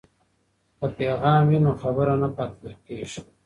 که پیغام وي نو خبر نه پاتې کیږي.